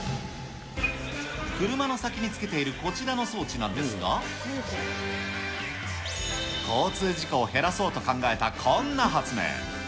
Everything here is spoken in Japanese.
車の先につけているこちらの装置なんですが、交通事故を減らそうと考えたこんな発明。